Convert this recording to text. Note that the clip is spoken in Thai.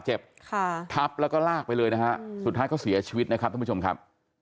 เขาทับและลากไปเลยสุดท้ายเขาเสียชีวิตนะครับทุกผู้ชมครับ